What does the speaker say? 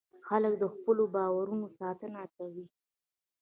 خلک د خپلو باورونو ساتنه کوي.